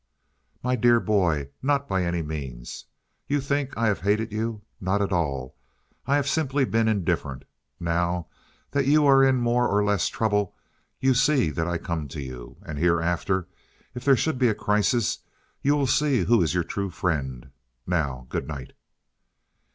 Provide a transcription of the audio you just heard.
"My dear boy, not by any means. You think I have hated you? Not at all. I have simply been indifferent. Now that you are in more or less trouble, you see that I come to you. And hereafter if there should be a crisis, you will see who is your true friend. Now, good night!"